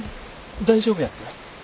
大丈夫やって？